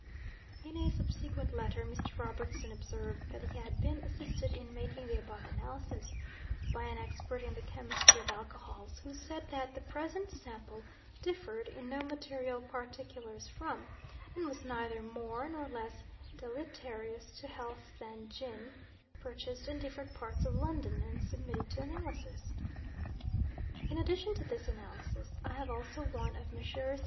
In a subsequent letter Mr. Robertson observed that he had been "assisted in making the above analysis by an expert in the chemistry of alcohols, who said that the present sample differed in no material particulars from, and was neither more nor less deleterious to health than, gin purchased in different parts of London and submitted to analysis." In addition to this analysis I have also one of Messrs.